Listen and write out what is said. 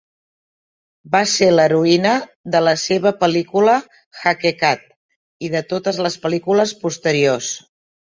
Va ser l'heroïna de la seva pel·lícula "Haqeeqat" i de totes les pel·lícules posteriors.